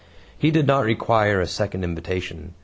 He did not require a second invitation.